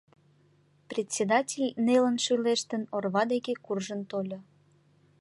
Председатель, нелын шӱлештын, орва деке куржын тольо.